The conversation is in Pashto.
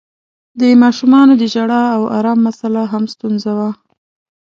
د ماشومانو د ژړا او آرام مسآله هم ستونزه وه.